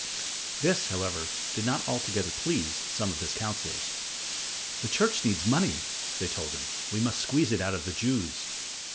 This, however, did not altogether please some of his counselors. "The Church needs money," they told him. "We must squeeze it out of the Jews."